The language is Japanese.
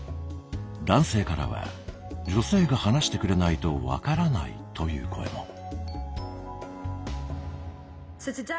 男性からは「女性が話してくれないと分からない」という声も。